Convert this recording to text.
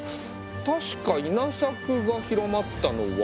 確か稲作が広まったのは。